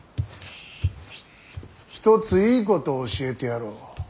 一ついいことを教えてやろう。